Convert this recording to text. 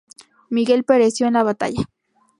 Miguel pereció en la batalla.